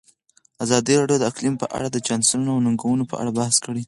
ازادي راډیو د اقلیم په اړه د چانسونو او ننګونو په اړه بحث کړی.